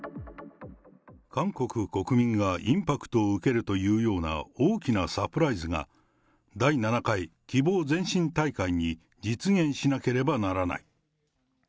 韓国国民がインパクトを受けるというような大きなサプライズが、第７回希望前進大会に実現しなければならない。